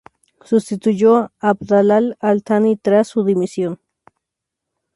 Sustituyó a Abdallah al-Thani tras su dimisión.